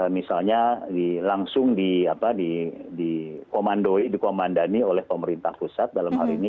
misalnya langsung dikomandani oleh pemerintah pusat dalam hal ini